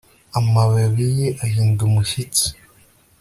amababi ye ahinda umushyitsi